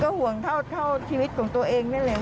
ห่วงเท่าชีวิตของตัวเองนั่นแหละ